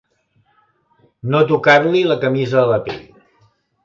No tocar-li la camisa a la pell.